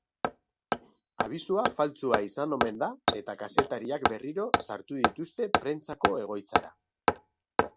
Abisua faltsua izan omen da eta kazetariak berriro sartu dituzte prentsako egoitzara.